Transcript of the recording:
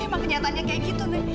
emang kenyataannya kayak gitu deh